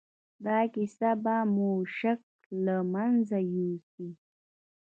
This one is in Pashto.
دا کيسه به مو شک له منځه يوسي.